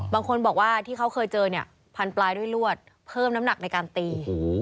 บางคนบอกว่าที่เขาเคยเจอเนี่ยพันปลายด้วยลวดเพิ่มน้ำหนักในการตี